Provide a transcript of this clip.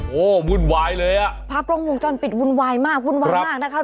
โอ้โหวุ่นวายเลยอ่ะภาพกล้องวงจรปิดวุ่นวายมากวุ่นวายมากนะคะ